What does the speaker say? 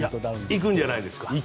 行くんじゃないですか。